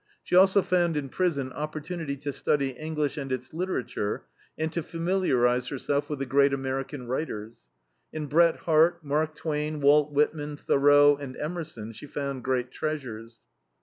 She also found in prison opportunity to study English and its literature, and to familiarize herself with the great American writers. In Bret Harte, Mark Twain, Walt Whitman, Thoreau, and Emerson she found great treasures.